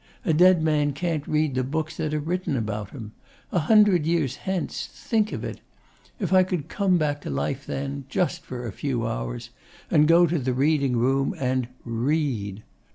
A dead man can't read the books that are written about him. A hundred years hence! Think of it! If I could come back to life then just for a few hours and go to the reading room, and READ!